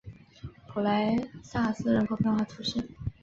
普莱桑斯人口变化图示